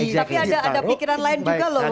tapi ada pikiran lain juga loh